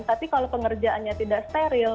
tapi kalau pengerjaannya tidak steril